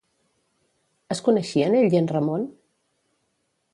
Es coneixien ell i en Ramon?